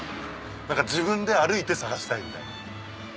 自分で歩いて探したいみたいな。